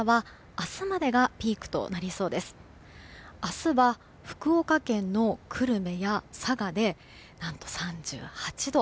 明日は福岡県の久留米や佐賀で何と３８度。